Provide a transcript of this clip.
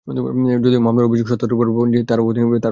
যদিও মামলার অভিযোগের সত্যতার প্রমাণ যিনি মামলা করেন তাঁর ওপর বর্তায়।